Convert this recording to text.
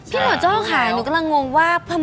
พี่หน่วยเจ้าค่ะหนูกำลังงงว่าทำไมครับ